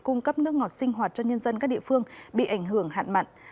cung cấp nước ngọt sinh hoạt cho nhân dân các địa phương bị ảnh hưởng hạn mặn